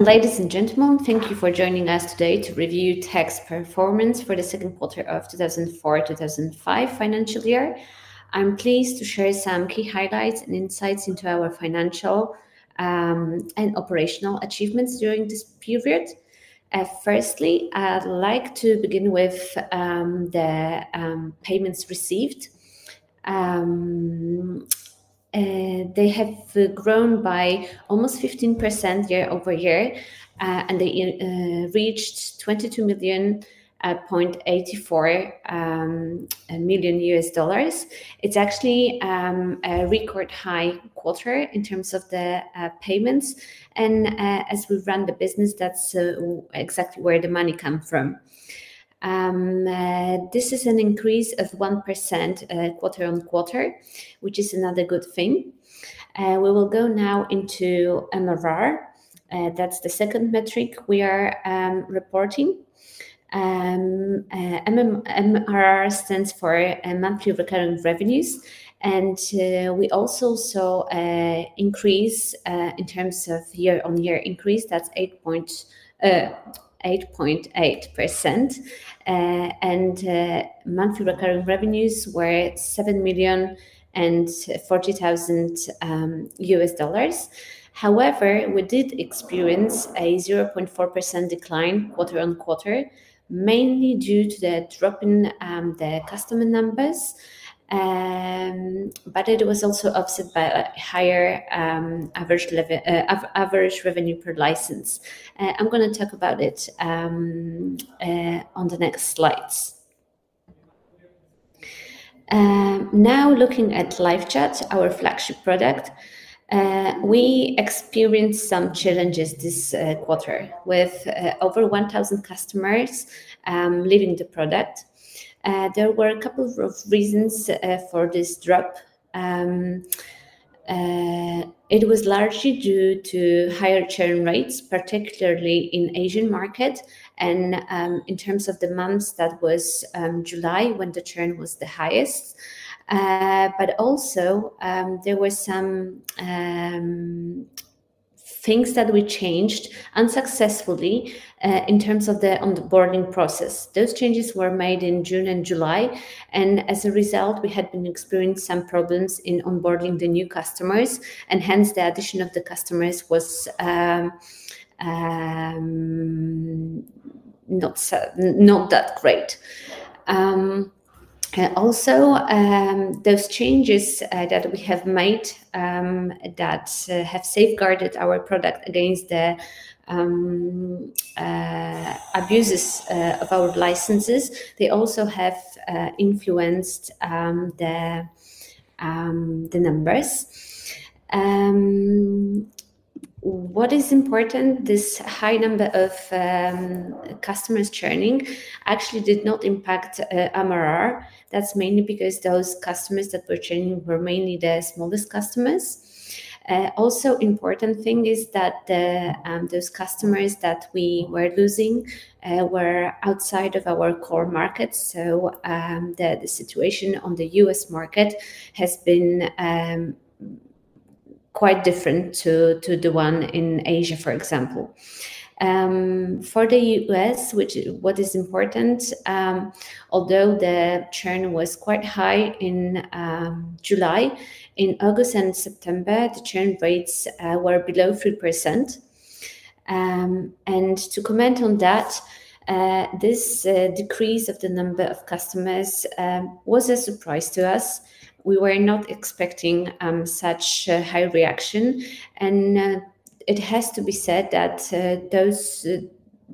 Ladies and gentlemen, thank you for joining us today to review Text's performance for the second quarter of 2024, 2025 financial year. I'm pleased to share some key highlights and insights into our financial, and operational achievements during this period. Firstly, I'd like to begin with the payments received. They have grown by almost 15% year over year, and they reached $22.84 million. It's actually a record high quarter in terms of the payments, and as we run the business, that's exactly where the money come from. This is an increase of 1% quarter on quarter, which is another good thing. We will go now into MRR. That's the second metric we are reporting. MRR stands for Monthly Recurring Revenues, and we also saw a increase in terms of year on year increase, that's 8.8%. And monthly recurring revenues were $7,040,000. However, we did experience a 0.4% decline quarter on quarter, mainly due to the drop in the customer numbers. But it was also offset by a higher average revenue per license. I'm gonna talk about it on the next slides. Now, looking at LiveChat, our flagship product, we experienced some challenges this quarter, with over 1,000 customers leaving the product. There were a couple of reasons for this drop. It was largely due to higher churn rates, particularly in Asia, and in terms of the months, that was July, when the churn was the highest, but also there were some things that we changed unsuccessfully in terms of the onboarding process. Those changes were made in June and July, and as a result, we had been experiencing some problems in onboarding the new customers, and hence, the addition of the customers was not so... not that great. Also, those changes that we have made that have safeguarded our product against the abuses of our licenses, they also have influenced the numbers. What is important, this high number of customers churning actually did not impact MRR. That's mainly because those customers that were churning were mainly the smallest customers. Also important thing is that those customers that we were losing were outside of our core market. So, the situation on the US market has been quite different to the one in Asia, for example. For the US, what is important, although the churn was quite high in July, in August and September, the churn rates were below 3%. And to comment on that, this decrease of the number of customers was a surprise to us. We were not expecting such a high reaction, and it has to be said that those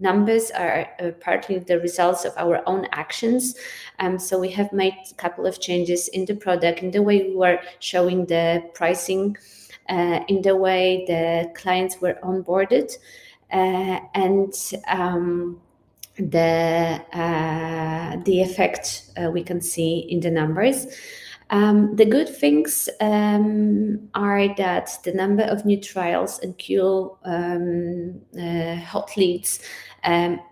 numbers are partly the results of our own actions. So we have made a couple of changes in the product, in the way we were showing the pricing, in the way the clients were onboarded, and the effect we can see in the numbers. The good things are that the number of new trials and qualified hot leads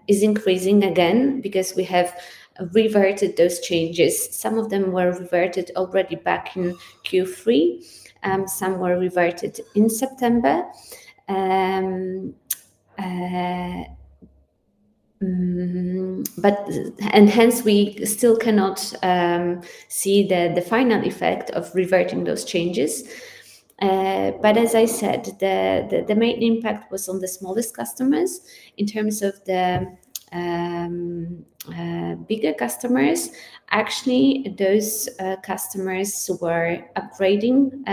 is increasing again because we have reverted those changes. Some of them were reverted already back in Q3, some were reverted in September, and hence we still cannot see the final effect of reverting those changes. But as I said, the main impact was on the smallest customers. In terms of the bigger customers, actually, those customers were upgrading,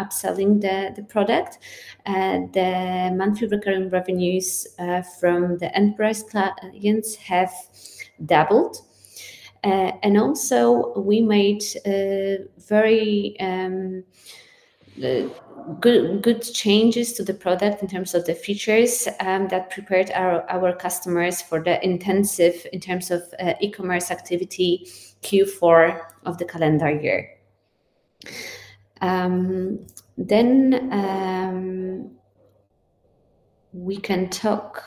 upselling the product. The monthly recurring revenues from the enterprise clients have doubled, and also, we made very good changes to the product in terms of the features that prepared our customers for the intensive e-commerce activity, Q4 of the calendar year. Then we can talk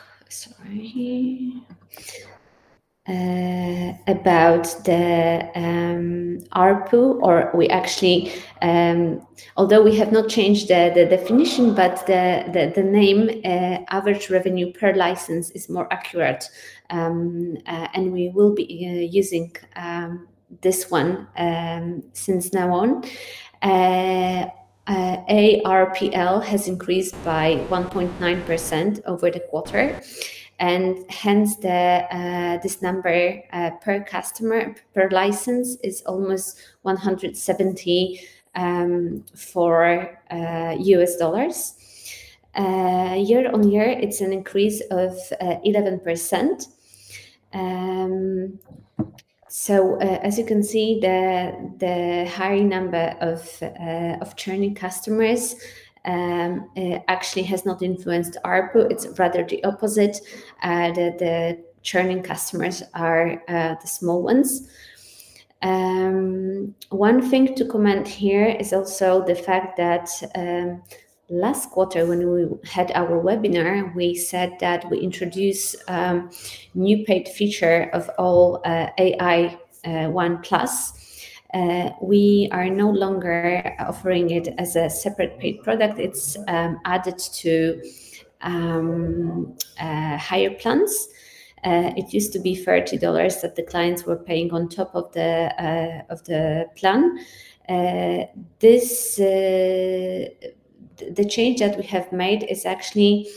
about the ARPU, or we actually, although we have not changed the definition, but the name, Average Revenue Per License is more accurate. And we will be using this one from now on. ARPL has increased by 1.9% over the quarter, and hence this number per customer, per license is almost $170. Year on year, it's an increase of 11%. So, as you can see, the higher number of churning customers actually has not influenced ARPU, it's rather the opposite. The churning customers are the small ones. One thing to comment here is also the fact that last quarter, when we had our webinar, we said that we introduce new paid feature of all AI OnePlus. We are no longer offering it as a separate paid product. It's added to higher plans. It used to be $30 that the clients were paying on top of the plan. This... The change that we have made is actually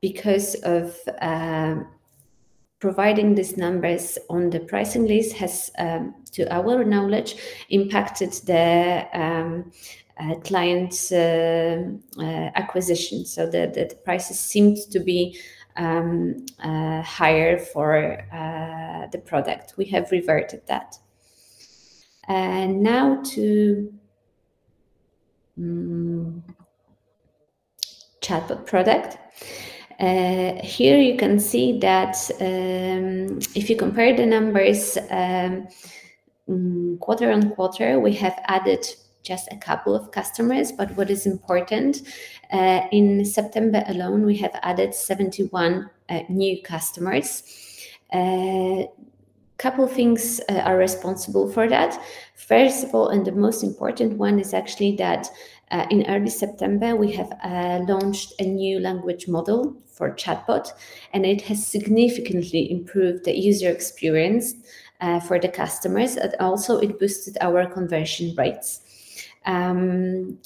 because of providing these numbers on the pricing list has to our knowledge impacted the client's acquisition, so the prices seemed to be higher for the product. We have reverted that, and now to ChatBot product. Here you can see that if you compare the numbers quarter on quarter, we have added just a couple of customers. But what is important in September alone, we have added 71 new customers. Couple things are responsible for that. First of all, and the most important one is actually that in early September, we have launched a new language model for ChatBot, and it has significantly improved the user experience for the customers, and also it boosted our conversion rates. Then,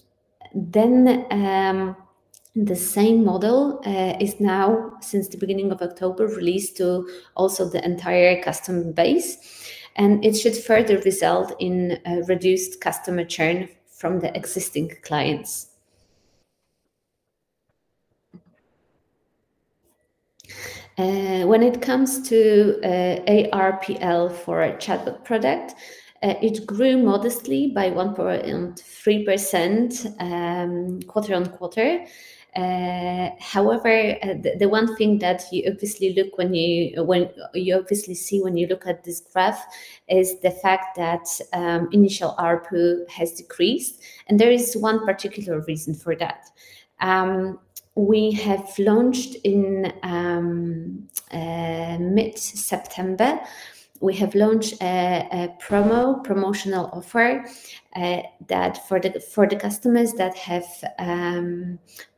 the same model is now, since the beginning of October, released to also the entire customer base, and it should further result in reduced customer churn from the existing clients. When it comes to ARPL for our ChatBot product, it grew modestly by 1.3%, quarter on quarter. However, the one thing that you obviously see when you look at this graph is the fact that initial ARPU has decreased, and there is one particular reason for that. We have launched in mid-September a promotional offer that for the customers that have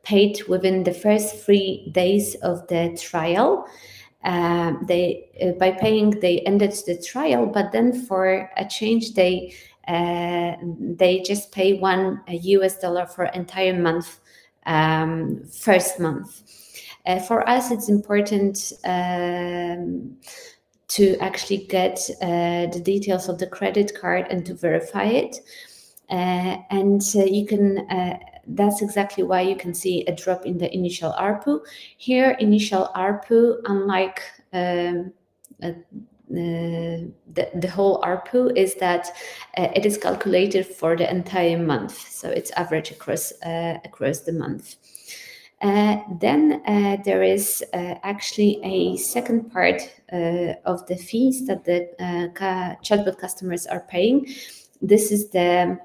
paid within the first three days of the trial. By paying, they ended the trial, but then for a change, they just pay $1 for entire month, first month. For us, it's important to actually get the details of the credit card and to verify it, and you can... That's exactly why you can see a drop in the initial ARPU. Here, initial ARPU, unlike the whole ARPU, is that it is calculated for the entire month, so it's average across the month. Then there is actually a second part of the fees that the ChatBot customers are paying. This is the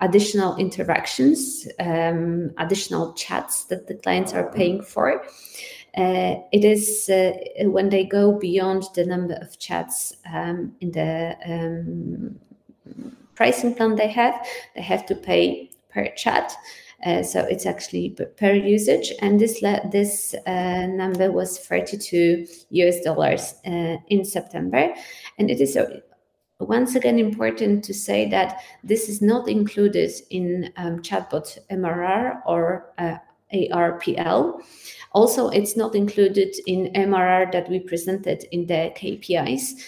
additional interactions, additional chats that the clients are paying for. It is when they go beyond the number of chats in the pricing plan they have. They have to pay per chat, so it's actually per usage. And this number was $32 in September. And it is once again important to say that this is not included in ChatBot MRR or ARPL. Also, it's not included in MRR that we presented in the KPIs.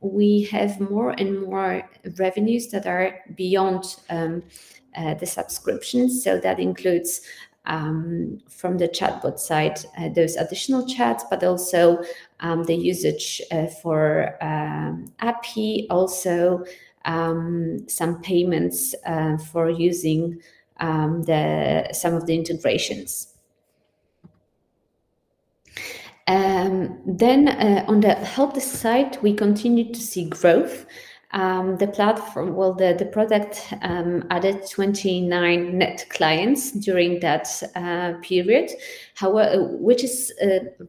We have more and more revenues that are beyond the subscriptions, so that includes from the ChatBot side those additional chats, but also the usage for API, also some payments for using some of the integrations. And then on the HelpDesk side, we continued to see growth. The platform, well, the product added 29 net clients during that period, which is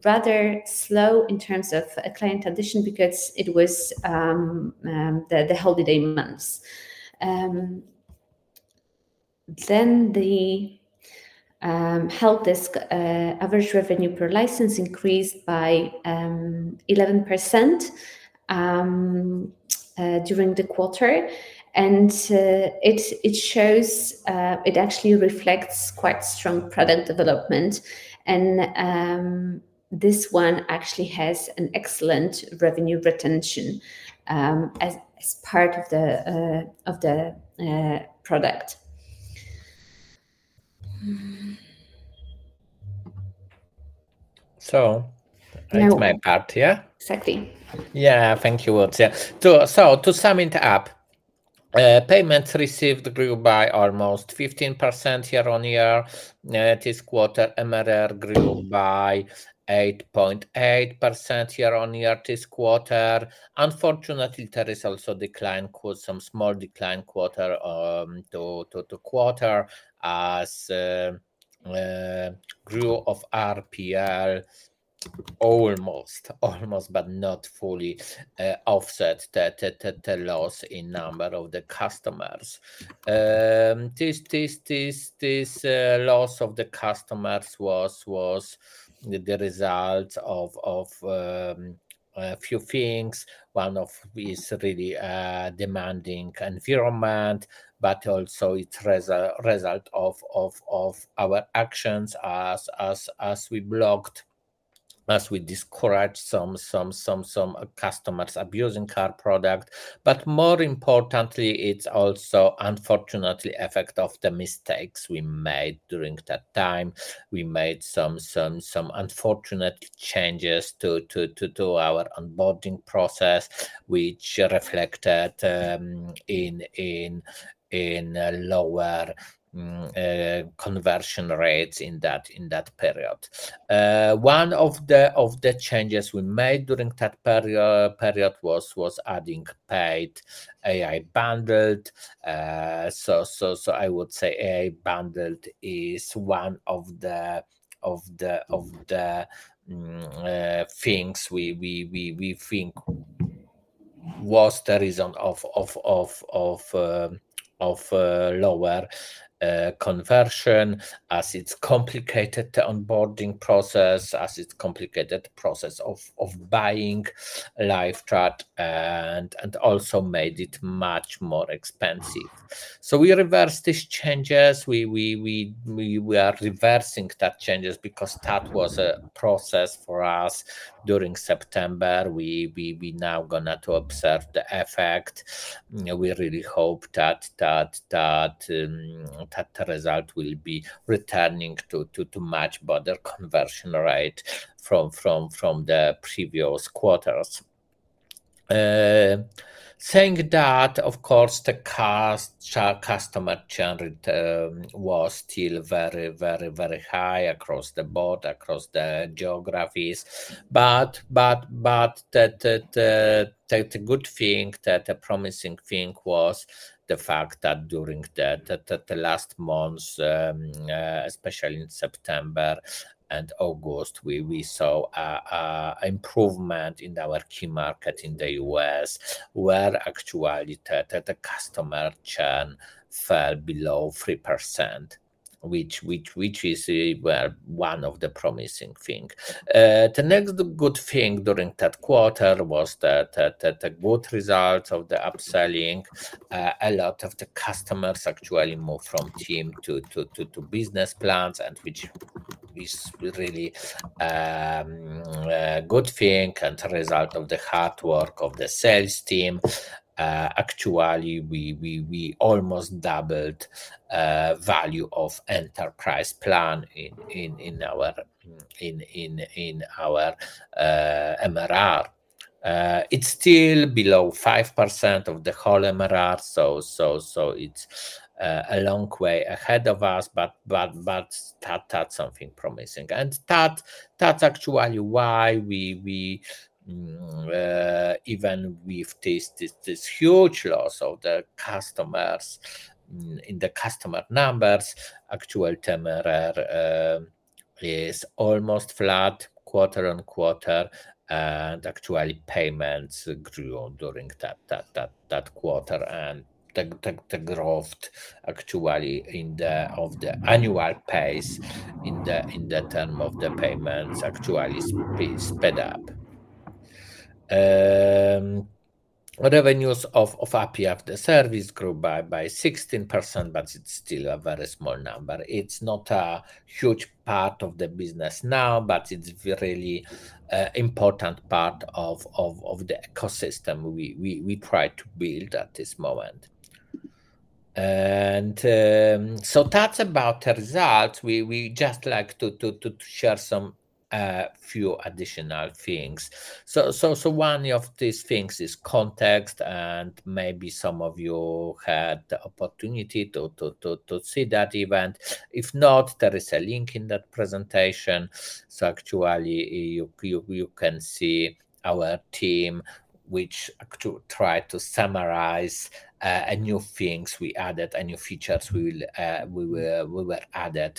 rather slow in terms of client addition because it was the holiday months. Then the HelpDesk average revenue per license increased by 11% during the quarter. It actually reflects quite strong product development, and this one actually has an excellent revenue retention as part of the product. So- Now- It's my part, yeah? Exactly. Yeah. Thank you, Łucja. So to sum it up, payments received grew by almost 15% year on year, this quarter. MRR grew by 8.8% year on year this quarter. Unfortunately, there is also decline, quite some small decline quarter to quarter as growth of ARPU almost, but not fully, offset the loss in number of the customers. This loss of the customers was the result of a few things. One is really demanding environment, but also the result of our actions as we blocked, as we discouraged some customers abusing our product. But more importantly, it's also unfortunately the effect of the mistakes we made during that time. We made some unfortunate changes to our onboarding process, which reflected in lower conversion rates in that period. One of the changes we made during that period was adding paid AI Bundle, so I would say AI Bundle is one of the things we think was the reason of lower conversion, as it's complicated the onboarding process, as it complicated process of buying LiveChat and also made it much more expensive, so we reversed these changes. We are reversing those changes because that was a process for us during September. We now gonna to observe the effect. We really hope that the result will be returning to much better conversion rate from the previous quarters. Saying that, of course, customer churn was still very high across the board, across the geographies. But the good thing, the promising thing was the fact that during the last months, especially in September and August, we saw an improvement in our key market in the US, where actually the customer churn fell below 3%, which is one of the promising thing. The next good thing during that quarter was the good result of the upselling. A lot of the customers actually moved from Team to Business plans, and which is really a good thing and a result of the hard work of the sales team. Actually, we almost doubled value of Enterprise plan in our MRR. It's still below 5% of the whole MRR, so it's a long way ahead of us, but that's something promising. That's actually why we even with this huge loss of the customers in the customer numbers, actual MRR is almost flat quarter on quarter, and actually payments grew during that quarter. And the growth actually of the annual pace in terms of the payments actually sped up. Revenues of API after service grew by 16%, but it's still a very small number. It's not a huge part of the business now, but it's really a important part of the ecosystem we try to build at this moment. And so that's about the results. We just like to share some few additional things. So one of these things is context, and maybe some of you had the opportunity to see that event. If not, there is a link in that presentation, so actually, you can see our team, which actually tried to summarize new things we added and new features we added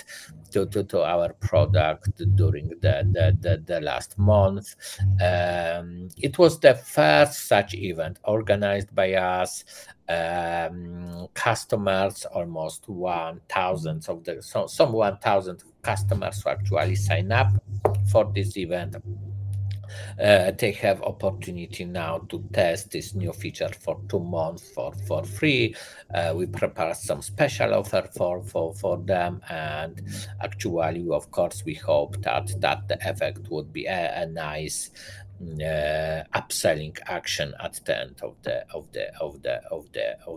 to our product during the last month. It was the first such event organized by us. Customers, almost one thousand, some one thousand customers who actually sign up for this event. They have opportunity now to test this new feature for two months for free. We prepared some special offer for them, and actually, of course, we hope that the effect would be a nice upselling action at the end of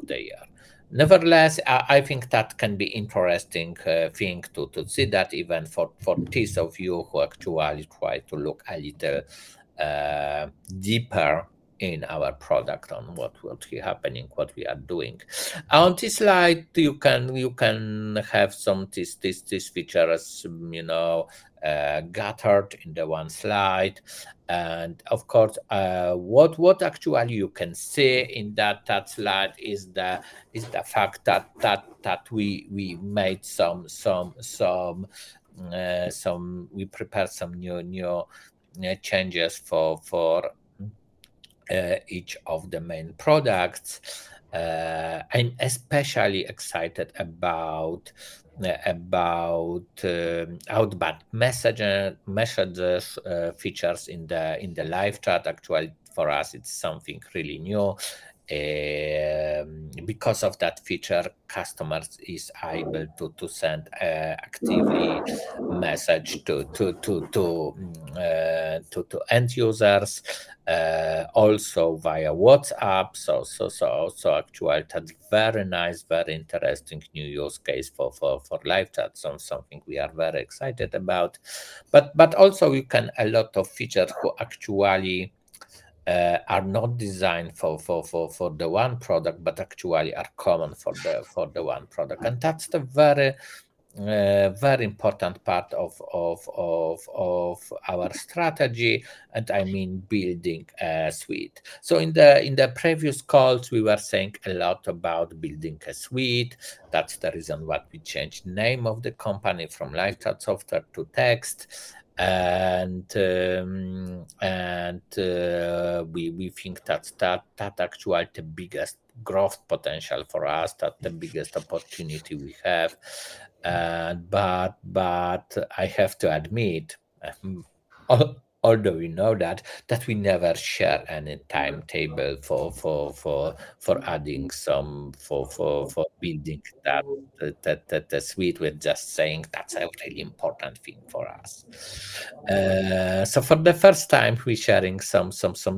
the year. Nevertheless, I think that can be interesting thing to see that event for those of you who actually try to look a little deeper in our product on what happening, what we are doing. On this slide, you can have some this features, you know, gathered into one slide. And of course, what actually you can see in that slide is the fact that we made some. We prepared some new changes for each of the main products. I'm especially excited about the about outbound messenger messengers features in the LiveChat. Actually, for us, it's something really new. Because of that feature, customers is able to send activity message to end users also via WhatsApp. So also actually a very nice, very interesting new use case for LiveChat, so something we are very excited about. But also you can. A lot of features who actually are not designed for the one product, but actually are common for the one product. And that's the very important part of our strategy, and I mean building a suite. So in the previous calls, we were saying a lot about building a suite. That's the reason why we changed name of the company from LiveChat Software to Text. We think that's actually the biggest growth potential for us. That's the biggest opportunity we have. I have to admit, although we know that we never share any timetable for adding some, for building that suite. We're just saying that's a really important thing for us. For the first time, we're sharing some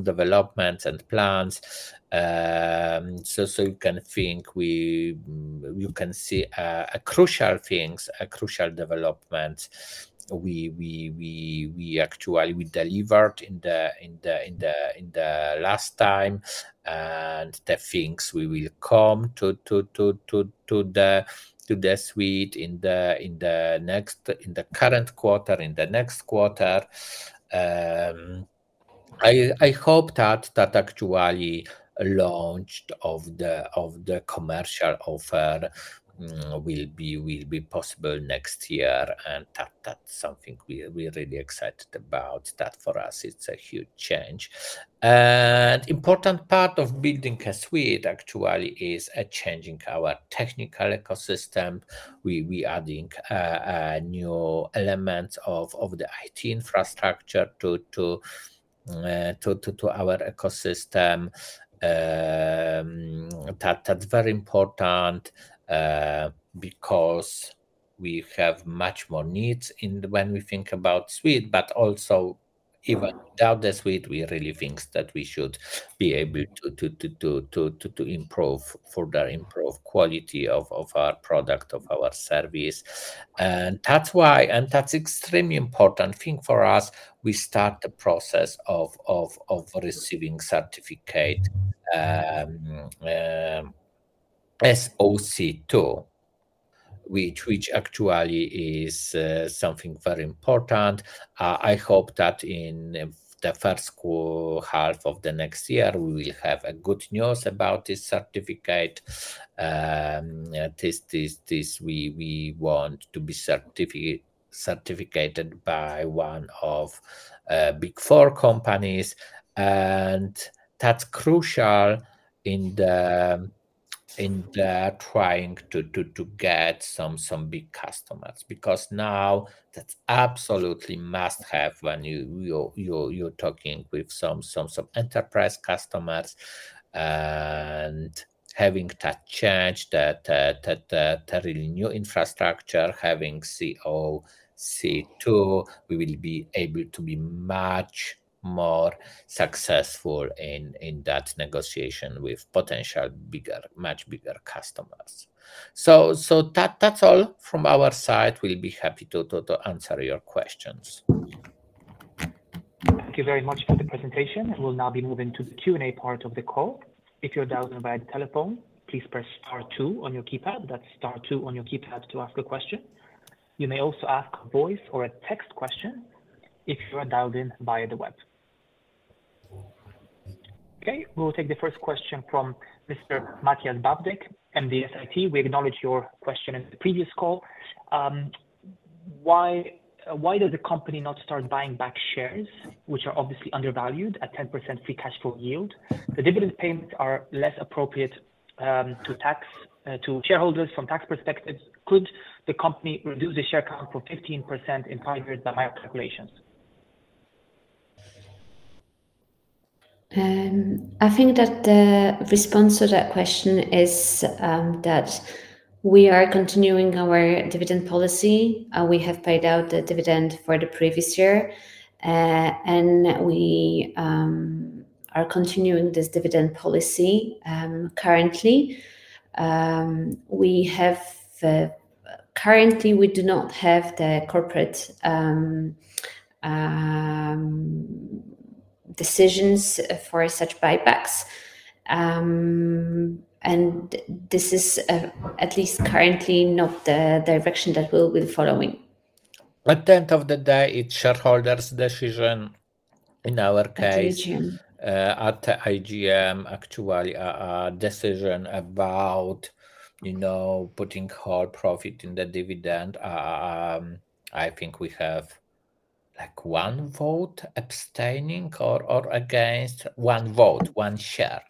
developments and plans. You can see crucial things, a crucial development we actually delivered in the last time, and the things we will come to the suite in the current quarter, in the next quarter. I hope that the actual launch of the commercial offer will be possible next year, and that's something we're really excited about. That, for us, it's a huge change and important part of building a suite actually is changing our technical ecosystem. We're adding new elements of the IT infrastructure to our ecosystem. That's very important because we have much more needs in when we think about suite, but also even without the suite, we really think that we should be able to improve, further improve quality of our product, of our service. And that's why, and that's extremely important thing for us, we start the process of receiving certificate, SOC 2, which actually is something very important. I hope that in the first quarter half of the next year, we will have good news about this certificate. This, we want to be certified by one of Big Four companies, and that's crucial in the trying to get some big customers. Because now that's absolutely must-have when you you're talking with some enterprise customers. And having that change, that really new infrastructure, having SOC 2, we will be able to be much more successful in that negotiation with potential bigger, much bigger customers. So that's all from our side. We'll be happy to answer your questions. Thank you very much for the presentation. We'll now be moving to the Q&A part of the call. If you're dialed in via telephone, please press star two on your keypad. That's star two on your keypad to ask a question. You may also ask a voice or a text question if you are dialed in via the web. Okay, we'll take the first question from Mr. Matthew Babdek, MDCIT. We acknowledge your question in the previous call. Why does the company not start buying back shares, which are obviously undervalued at 10% free cash flow yield? The dividend payments are less appropriate to tax to shareholders from tax perspective. Could the company reduce the share count for 15% in five years by my calculations? I think that the response to that question is that we are continuing our dividend policy. We have paid out the dividend for the previous year, and we are continuing this dividend policy currently. Currently, we do not have the corporate decisions for such buybacks, and this is at least currently not the direction that we'll be following. At the end of the day, it's shareholders' decision, in our case- At the AGM. At the AGM, actually, a decision about, you know, putting whole profit in the dividend. I think we have, like, one vote abstaining or against, one vote, one share,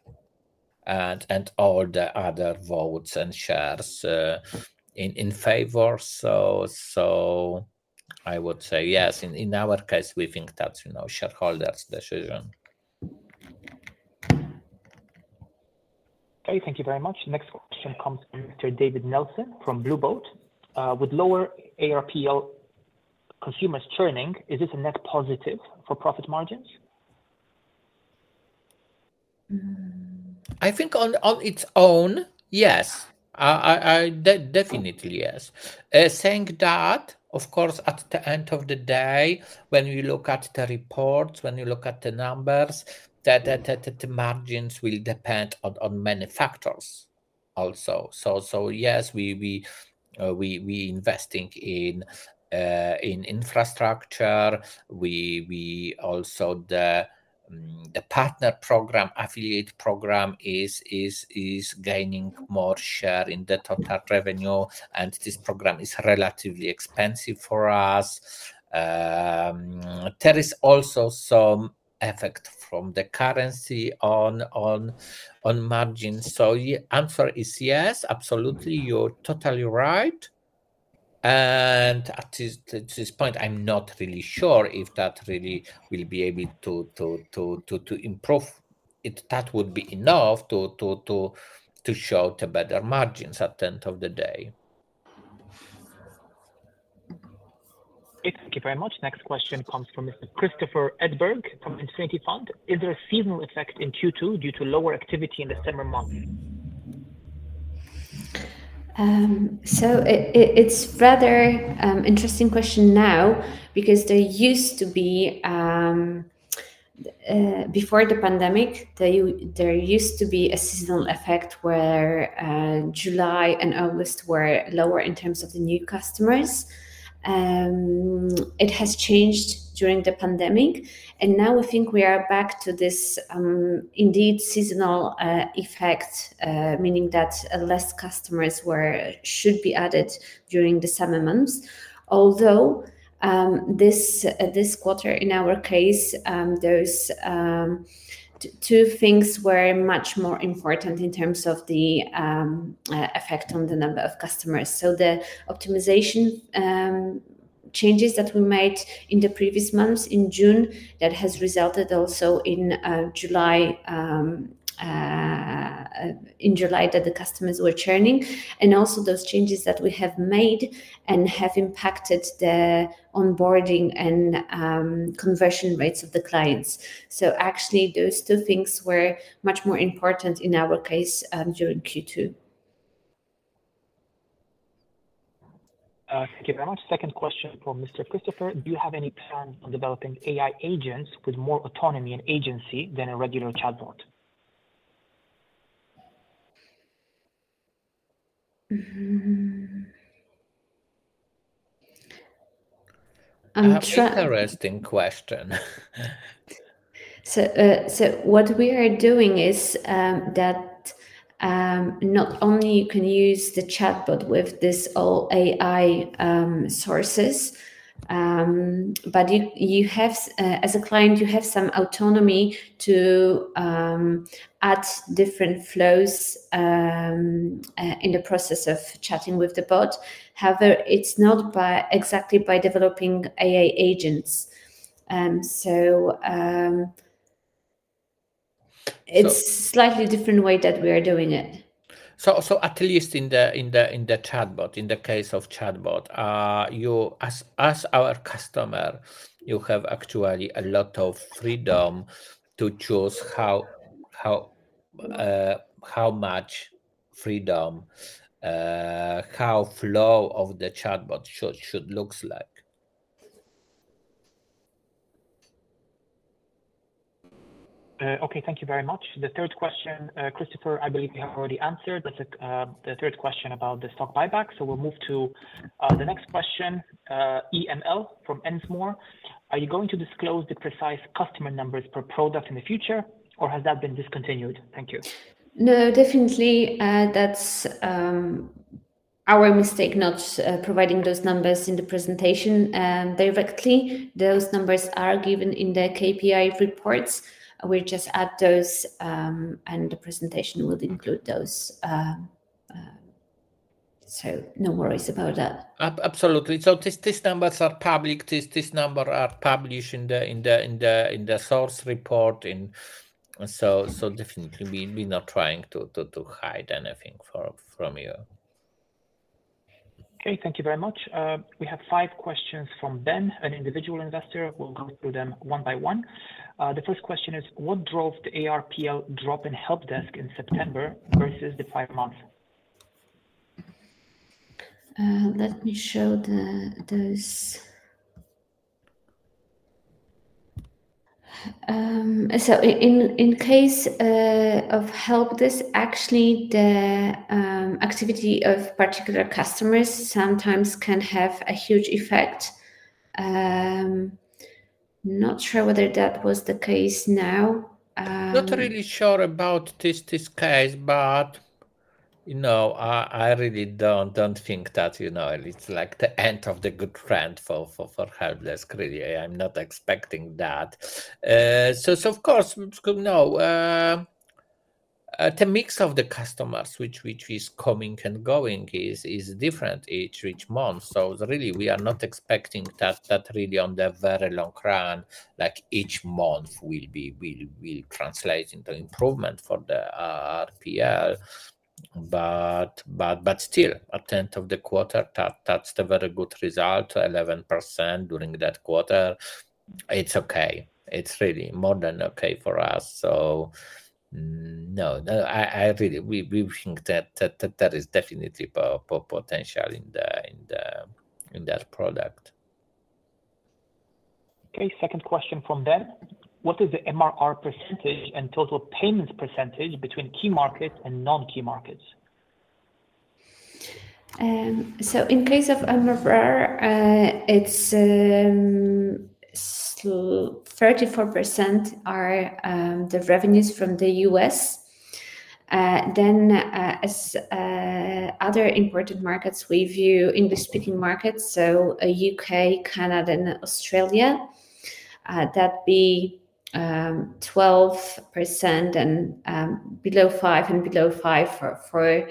and all the other votes and shares in favor. So I would say yes, in our case, we think that's, you know, shareholders' decision. Okay, thank you very much. Next question comes from David Nelson from Blue Boat. With lower ARPL consumers churning, is this a net positive for profit margins? I think on its own, yes. I definitely, yes. Saying that, of course, at the end of the day, when you look at the reports, when you look at the numbers, the margins will depend on many factors also. So, yes, we investing in infrastructure. We also the partner program, affiliate program is gaining more share in the total revenue, and this program is relatively expensive for us. There is also some effect from the currency on margins. So answer is yes, absolutely. You're totally right. And at this point, I'm not really sure if that really will be able to improve. If that would be enough to show the better margins at the end of the day. Thank you very much. Next question comes from Mr. Christopher Edberg, from Infinity Fund. Is there a seasonal effect in Q2 due to lower activity in the summer months? So it's rather interesting question now, because there used to be before the pandemic, there used to be a seasonal effect, where July and August were lower in terms of the new customers. It has changed during the pandemic, and now I think we are back to this indeed seasonal effect, meaning that less customers should be added during the summer months. Although this quarter, in our case, there's two things were much more important in terms of the effect on the number of customers. So the optimization changes that we made in the previous months, in June, that has resulted also in July that the customers were churning, and also those changes that we have made and have impacted the onboarding and conversion rates of the clients. So actually, those two things were much more important in our case during Q2. Thank you very much. Second question from Mr. Christopher: Do you have any plan on developing AI agents with more autonomy and agency than a regular ChatBot? Mm-hmm. Interesting question. So what we are doing is that not only you can use the ChatBot with this all AI sources, but you have, as a client, you have some autonomy to add different flows in the process of chatting with the bot. However, it's not by, exactly by developing AI agents. So-... it's a slightly different way that we are doing it. At least in the ChatBot, in the case of ChatBot, as our customer, you have actually a lot of freedom to choose how the flow of the ChatBot should look like. Okay, thank you very much. The third question, Christopher, I believe you have already answered. That's the third question about the stock buyback. So we'll move to the next question, EML from Ennismore. Are you going to disclose the precise customer numbers per product in the future, or has that been discontinued? Thank you. No, definitely, that's our mistake, not providing those numbers in the presentation directly. Those numbers are given in the KPI reports. We'll just add those, and the presentation will include those, so no worries about that. Absolutely. So these numbers are public. These numbers are published in the source report. So definitely we're not trying to hide anything from you. Okay. Thank you very much. We have five questions from Ben, an individual investor. We'll go through them one by one. The first question is: What drove the ARPL drop in HelpDesk in September versus the five months? Let me show those. So in case of HelpDesk, actually, the activity of particular customers sometimes can have a huge effect. Not sure whether that was the case now. Not really sure about this case, but you know, I really don't think that you know, it's like the end of the good trend for HelpDesk, really. I'm not expecting that. So of course no, the mix of the customers which is coming and going is different each month. So really, we are not expecting that really on the very long run, like each month will be will translate into improvement for the RPL. But still, a tenth of the quarter, that's a very good result. 11% during that quarter, it's okay. It's really more than okay for us. So no, I really... We think that that is definitely potential in the in the in that product. Okay, second question from Ben: What is the MRR percentage and total payments percentage between key markets and non-key markets? So in case of MRR, it's 34% are the revenues from the U.S. Then as other important markets, we view English-speaking markets, so UK, Canada, and Australia. That'd be 12% and below five and below five for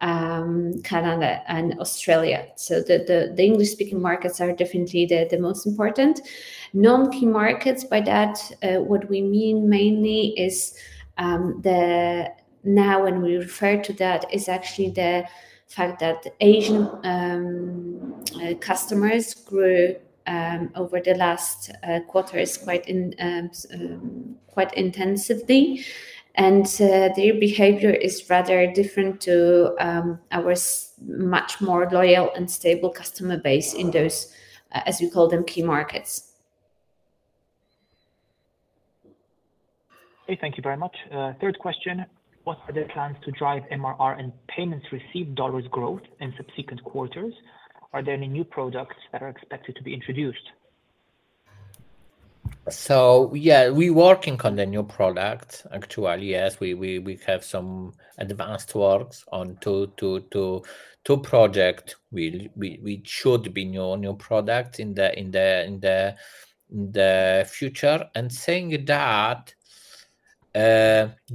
Canada and Australia. So the English-speaking markets are definitely the most important. Non-key markets, by that, what we mean mainly is. Now, when we refer to that, is actually the fact that Asian customers grew over the last quarter, is quite intensively. And their behavior is rather different to our much more loyal and stable customer base in those, as we call them, key markets. Okay. Thank you very much. Third question: What are the plans to drive MRR and payments received dollars growth in subsequent quarters? Are there any new products that are expected to be introduced? Yeah, we working on the new product. Actually, yes, we have some advanced works on two projects which should be new product in the future. Saying that,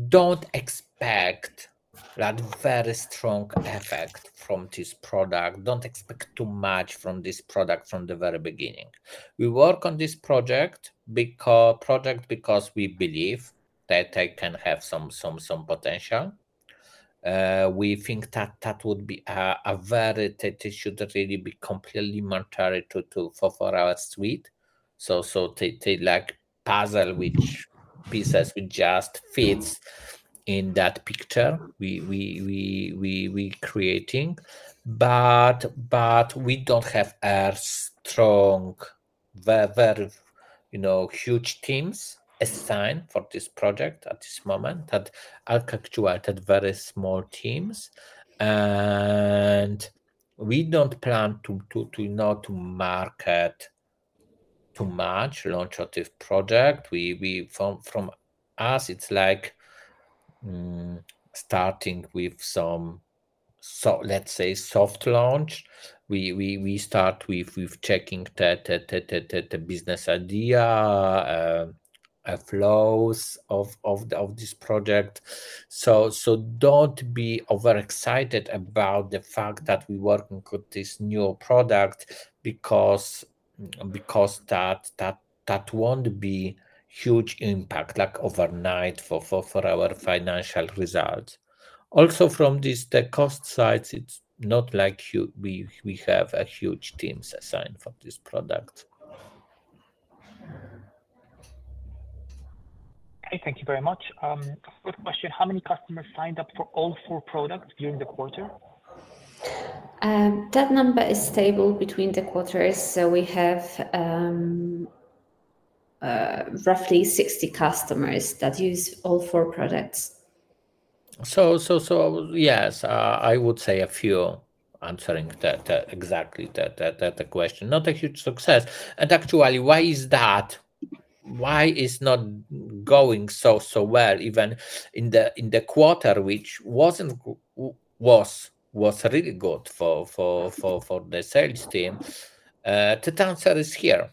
don't expect that very strong effect from this product. Don't expect too much from this product from the very beginning. We work on this project because we believe that it can have some potential. We think that that would be a very. It should really be completely complementary to for our suite. It's like a puzzle which pieces which just fits in that picture we creating. We don't have a strong very you know huge teams assigned for this project at this moment that are actually very small teams. And we don't plan to not market too much launch of this product. From us, it's like starting with some, let's say, soft launch. We start with checking the business idea flows of this project. So don't be overexcited about the fact that we work with this new product because that won't be huge impact like overnight for our financial results. Also, from this, the cost side, it's not like we have a huge teams assigned for this product. Okay, thank you very much. First question, how many customers signed up for all four products during the quarter? That number is stable between the quarters, so we have roughly 60 customers that use all four products. So yes, I would say a few, answering that exactly that question. Not a huge success. And actually, why is that? Why is not going so well, even in the quarter, which was really good for the sales team? The answer is here.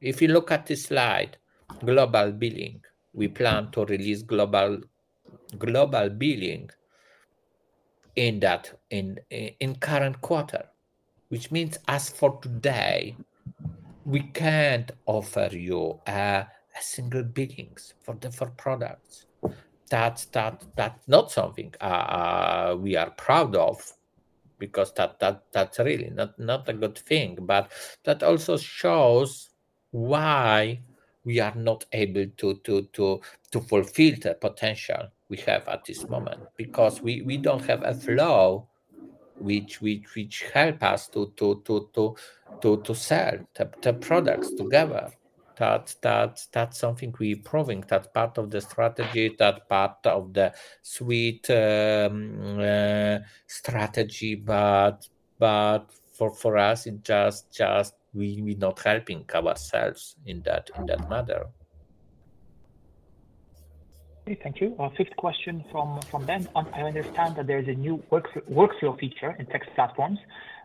If you look at this slide, Global Billing. We plan to release Global Billing in the current quarter, which means as for today, we can't offer you a single billings for the four products. That's not something we are proud of because that's really not a good thing. But that also shows why we are not able to fulfill the potential we have at this moment, because we don't have a flow which help us to sell the products together. That's something we're improving. That's part of the strategy, that part of the suite strategy. But for us, it just we not helping ourselves in that matter. Okay, thank you. Our fifth question from Ben. I understand that there's a new workflow feature in Text platforms.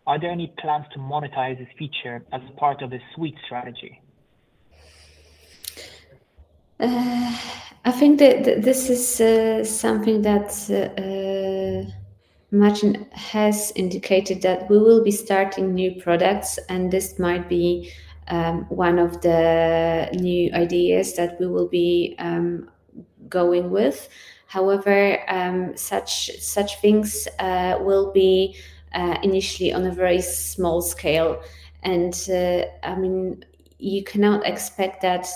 Are there any plans to monetize this feature as part of the suite strategy? I think that this is something that Marcin has indicated, that we will be starting new products, and this might be one of the new ideas that we will be going with. However, such things will be initially on a very small scale. And, I mean, you cannot expect that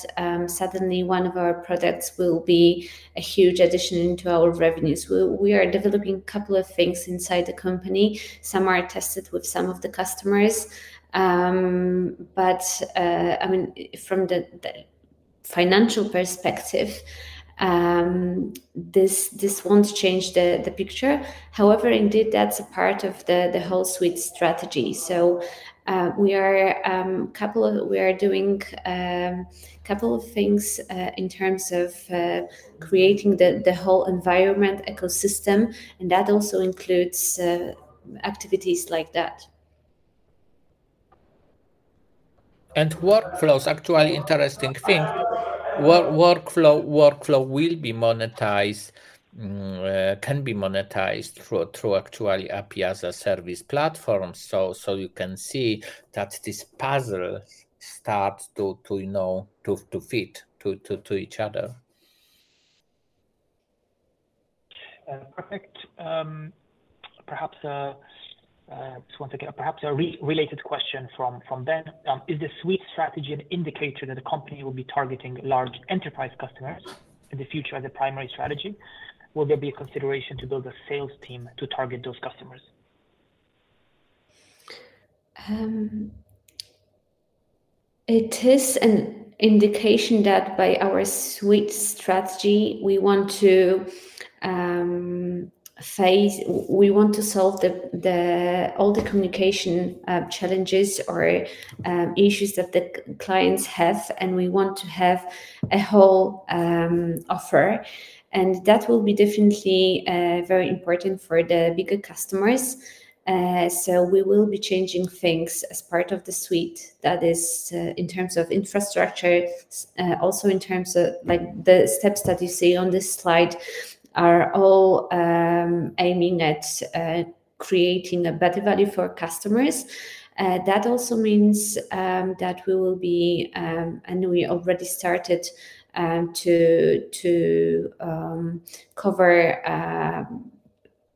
suddenly one of our products will be a huge addition into our revenues. We are developing a couple of things inside the company. Some are tested with some of the customers. But, I mean, from the financial perspective, this won't change the picture. However, indeed, that's a part of the whole suite strategy. So, we are couple of... We are doing a couple of things in terms of creating the whole environment ecosystem, and that also includes activities like that. Workflows, actually interesting thing. Workflow will be monetized, can be monetized through actually API as a service platform. So you can see that this puzzle starts to fit to each other. Perfect. Perhaps a related question from Ben. Is the suite strategy an indicator that the company will be targeting large enterprise customers in the future as a primary strategy? Will there be a consideration to build a sales team to target those customers? It is an indication that by our suite strategy, we want to solve all the communication challenges or issues that the clients have, and we want to have a whole offer, and that will be definitely very important for the bigger customers. We will be changing things as part of the suite, that is, in terms of infrastructure, also in terms of, like, the steps that you see on this slide are all aiming at creating a better value for our customers. That also means that we will be, and we already started, to cover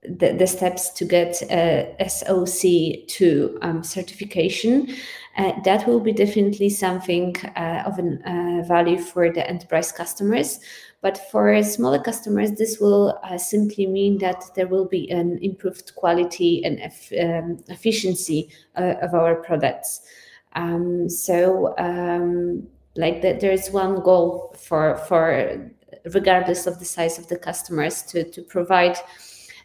the steps to get SOC 2 certification. That will be definitely something of value for the enterprise customers. But for smaller customers, this will simply mean that there will be an improved quality and efficiency of our products. Like, there is one goal for regardless of the size of the customers, to provide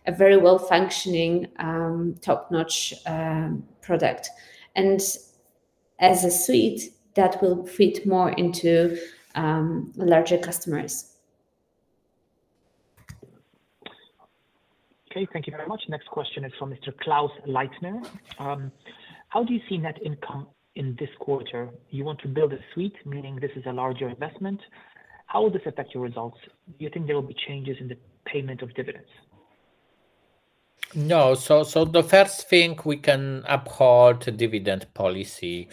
a very well-functioning, top-notch, product. And as a suite, that will fit more into larger customers. Okay, thank you very much. Next question is from Mr. Klaus Leitner. How do you see net income in this quarter? You want to build a suite, meaning this is a larger investment. How will this affect your results? Do you think there will be changes in the payment of dividends? No. So the first thing, we can uphold dividend policy.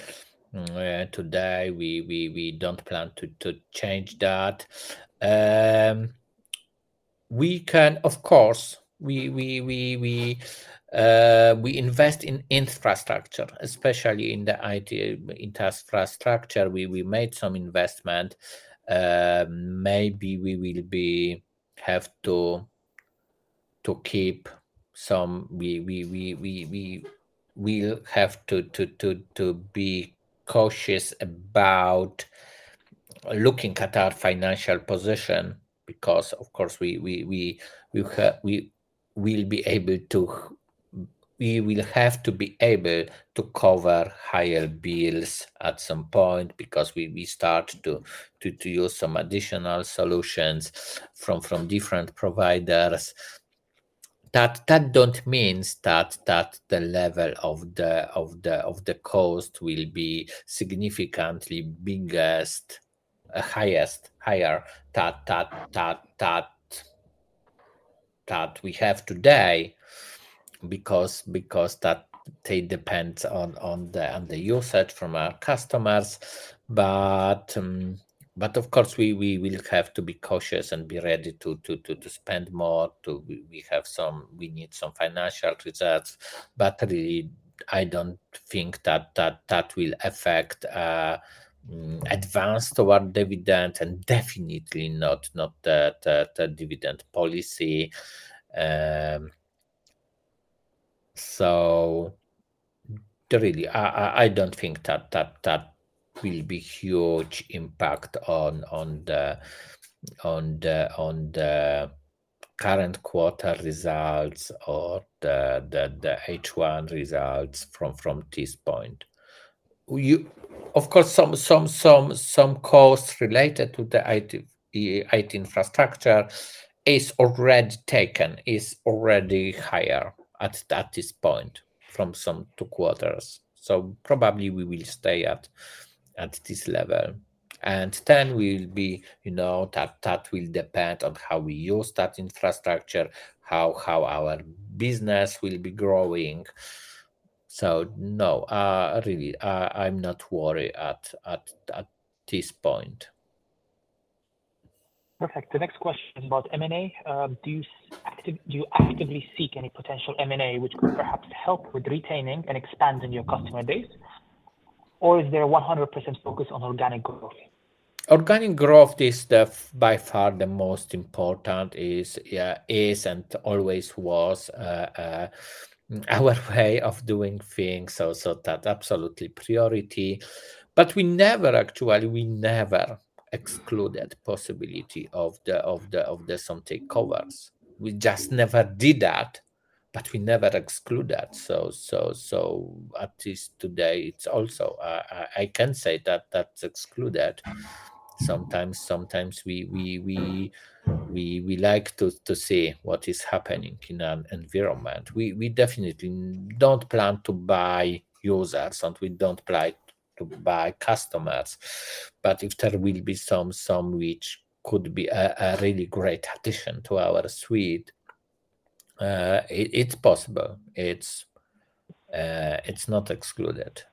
Today, we don't plan to change that. We can, of course, invest in infrastructure, especially in the IT infrastructure. We made some investment. Maybe we will have to keep some. We'll have to be cautious about looking at our financial position, because, of course, we will have to be able to cover higher bills at some point, because we start to use some additional solutions from different providers. That doesn't mean that the level of the cost will be significantly higher than we have today, because it depends on the usage from our customers. But of course, we will have to be cautious and be ready to spend more. We need some financial results. But really, I don't think that will affect advance toward dividend, and definitely not the dividend policy. So really, I don't think that will be a huge impact on the current quarter results or the H1 results from this point. Of course, some costs related to the IT infrastructure is already taken, is already higher at this point from some two quarters. So probably we will stay at this level, and then we'll be, you know, that will depend on how we use that infrastructure, how our business will be growing, so no, really, I'm not worried at this point. Perfect. The next question about M&A. Do you actively seek any potential M&A, which could perhaps help with retaining and expanding your customer base? Or is there a 100% focus on organic growth? Organic growth is by far the most important and always was our way of doing things. So that absolutely priority. But we never actually excluded possibility of some takeovers. We just never did that, but we never exclude that. So at least today, I can say that that's excluded. Sometimes we like to see what is happening in our environment. We definitely don't plan to buy users, and we don't plan to buy customers, but if there will be some which could be a really great addition to our suite, it's possible. It's not excluded.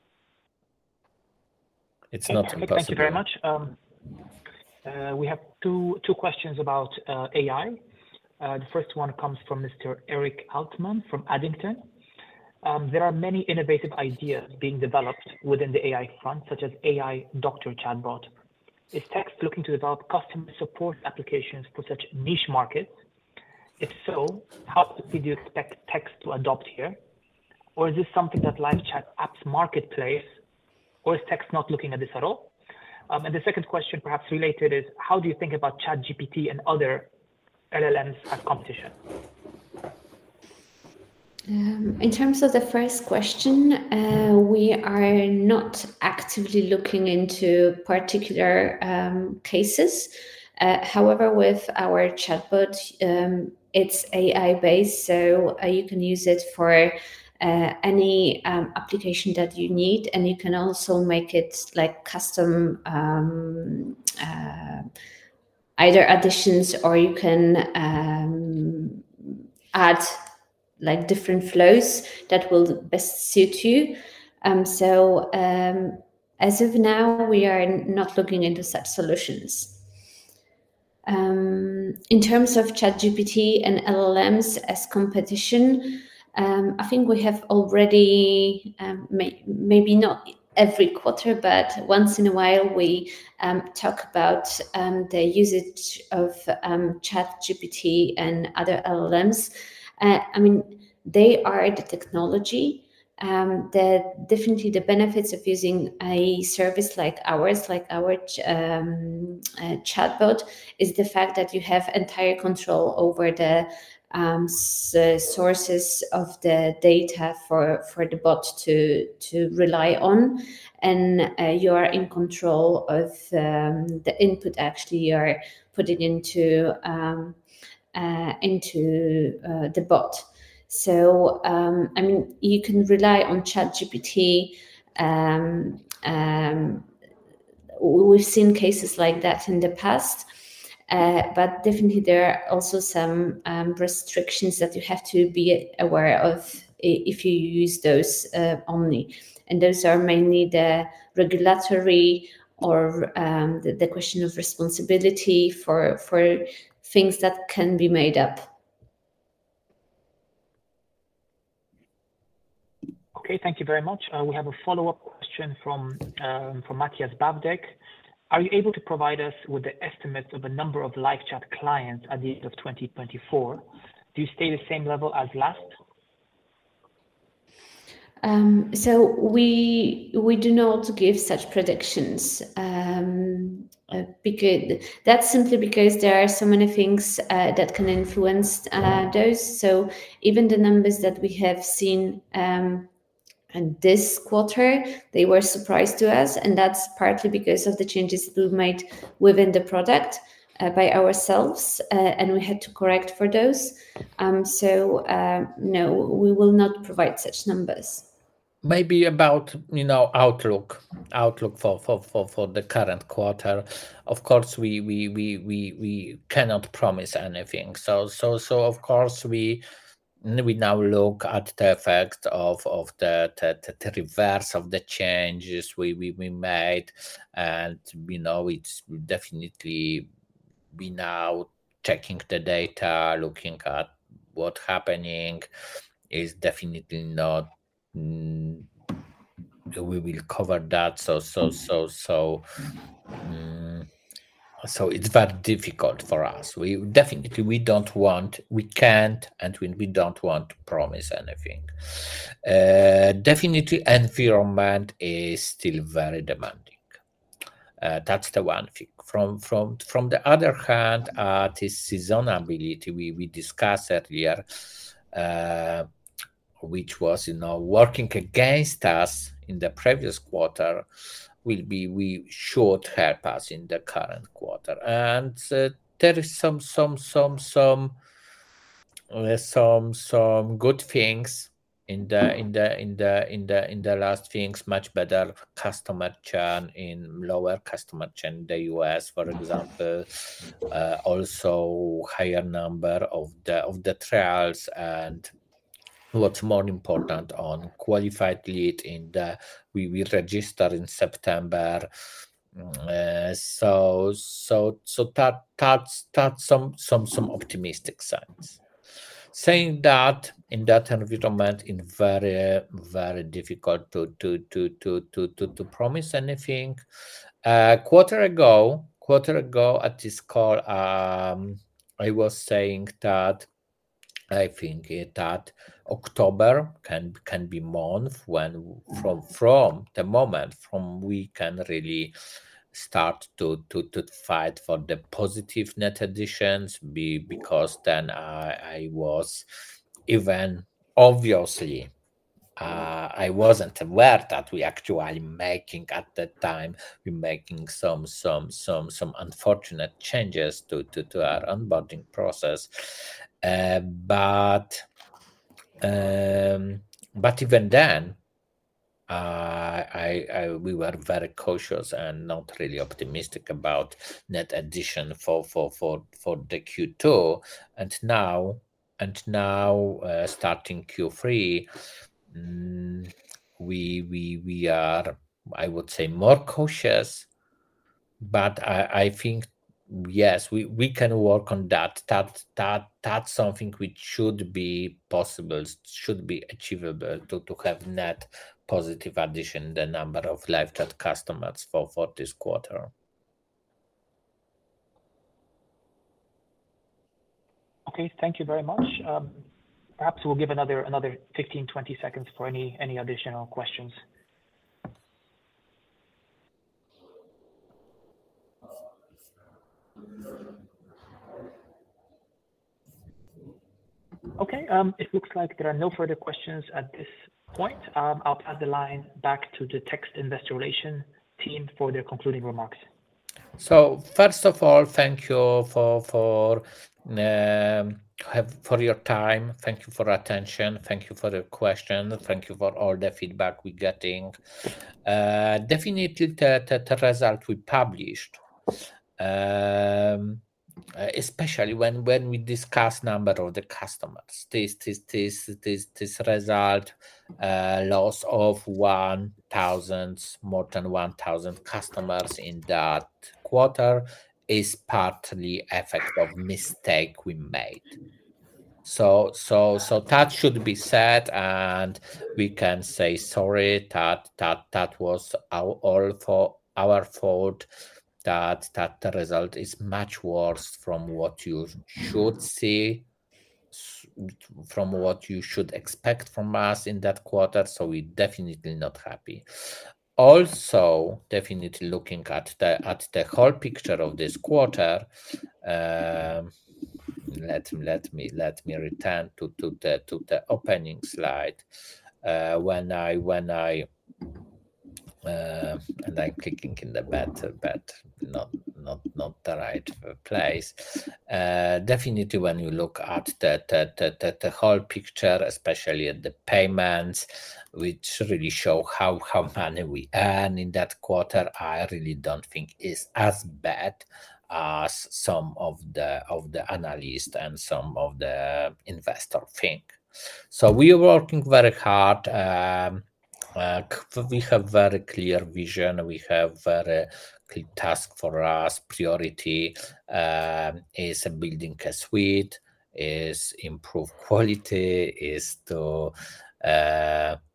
It's not excluded. Thank you very much. We have two questions about AI. The first one comes from Mr. Eric Altman from Addington. There are many innovative ideas being developed within the AI front, such as AI Doctor ChatBot. Is Text looking to develop customer support applications for such niche markets? If so, how do you expect Text to adopt here? Or is this something that LiveChat apps marketplace, or is Text not looking at this at all? And the second question, perhaps related, is how do you think about ChatGPT and other LLMs as competition? In terms of the first question, we are not actively looking into particular cases. However, with our ChatBot, it's AI-based, so you can use it for any application that you need, and you can also make it like custom either additions or you can add like different flows that will best suit you. So, as of now, we are not looking into such solutions. In terms of ChatGPT and LLMs as competition, I think we have already maybe not every quarter, but once in a while, we talk about the usage of ChatGPT and other LLMs. I mean, they are the technology that definitely the benefits of using a service like ours, like our ChatBot, is the fact that you have entire control over the sources of the data for the bot to rely on. And you are in control of the input actually you are putting into the bot. So, I mean, you can rely on ChatGPT. We've seen cases like that in the past, but definitely there are also some restrictions that you have to be aware of if you use those only. And those are mainly the regulatory or the question of responsibility for things that can be made up. Okay, thank you very much. We have a follow-up question from Matthew Babdek. Are you able to provide us with the estimates of the number of live chat clients at the end of 2024? Do you stay the same level as last? So we do not give such predictions. Because that's simply because there are so many things that can influence those. So even the numbers that we have seen in this quarter, they were surprise to us, and that's partly because of the changes we've made within the product by ourselves, and we had to correct for those. So no, we will not provide such numbers. Maybe about, you know, outlook for the current quarter. Of course, we cannot promise anything. So, of course, we now look at the effect of the reverse of the changes we made, and, you know, it's definitely we're now checking the data, looking at what's happening is definitely not. We will cover that. So, it's very difficult for us. We definitely don't want, we can't, and we don't want to promise anything. Definitely, environment is still very demanding. That's the one thing. From the other hand, this seasonality we discussed earlier, which was, you know, working against us in the previous quarter, will be. We should help us in the current quarter. There is some good things in the- Mm... in the last things, much better customer churn, in lower customer churn, the US, for example. Mm-hmm. Also higher number of the trials, and what's more important, on qualified leads in the week we register in September. So that that's some optimistic signs. Saying that, in that environment, it's very difficult to promise anything. A quarter ago, at this call, I was saying that I think that October can be a month when from the moment we can really start to fight for the positive net additions, because then I was even obviously I wasn't aware that we actually making at that time, we making some unfortunate changes to our onboarding process. But even then, we were very cautious and not really optimistic about net addition for the Q2. And now, starting Q3, we are, I would say, more cautious, but I think, yes, we can work on that. That's something which should be possible, should be achievable to have net positive addition, the number of live chat customers for this quarter. Okay. Thank you very much. Perhaps we'll give another 15, 20 seconds for any additional questions. Okay, it looks like there are no further questions at this point. I'll pass the line back to the Text Investor Relations team for their concluding remarks. So first of all, thank you for your time. Thank you for attention, thank you for the question, thank you for all the feedback we're getting. Definitely, the result we published, especially when we discuss number of the customers, this result, loss of one thousand, more than one thousand customers in that quarter is partly effect of mistake we made. So that should be said, and we can say sorry that was our all fault, our fault, that the result is much worse from what you should see, from what you should expect from us in that quarter, so we definitely not happy. Also, definitely looking at the whole picture of this quarter, let me return to the opening slide. And I'm clicking in the better, but not the right place. Definitely, when you look at the whole picture, especially at the payments, which really show how money we earn in that quarter, I really don't think is as bad as some of the analyst and some of the investor think. So we are working very hard. We have very clear vision. We have very clear task for us. Priority is building a suite, is improve quality, is to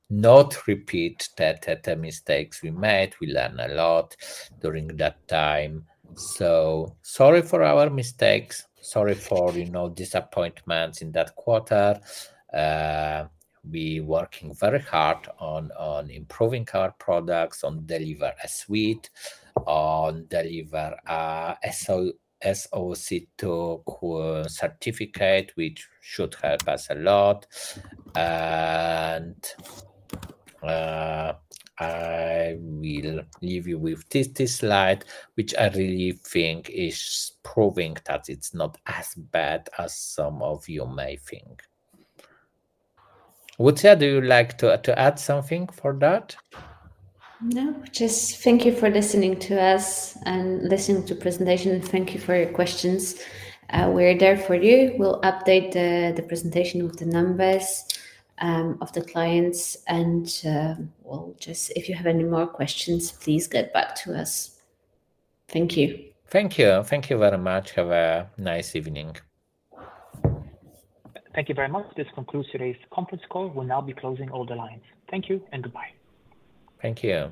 not repeat the mistakes we made. We learned a lot during that time. So sorry for our mistakes. Sorry for, you know, disappointments in that quarter. We working very hard on improving our products, on deliver a suite, on deliver our SOC 2 certificate, which should help us a lot, and I will leave you with this slide, which I really think is proving that it's not as bad as some of you may think. Łucja, do you like to add something for that? No. Just thank you for listening to us and listening to presentation, and thank you for your questions. We're there for you. We'll update the presentation with the numbers of the clients. And, well, just if you have any more questions, please get back to us. Thank you. Thank you. Thank you very much. Have a nice evening. Thank you very much. This concludes today's conference call. We'll now be closing all the lines. Thank you and goodbye. Thank you.